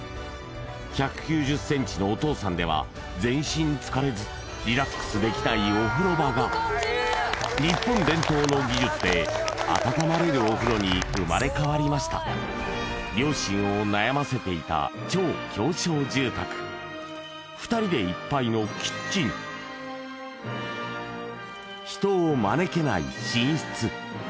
１９０ｃｍのお父さんでは全身つかれずリラックスできないお風呂場が日本伝統の技術であたたまれるお風呂に生まれ変わりました両親を悩ませていた超狭小住宅２人でいっぱいのキッチン人を招けない寝室